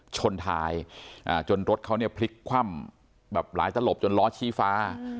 ชนท้ายจนรถเขาเนี่ยพลิกคว่ำแบบหลายตลบจนล้อชี้ฟ้า